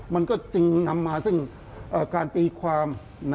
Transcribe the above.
มันก็จึงนำมาซึ่งการตีความ